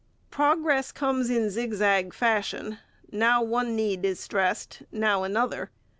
Progress comes in zigzag fashion; now one need is stressed, now another.